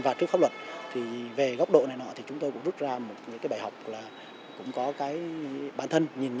và trước pháp luật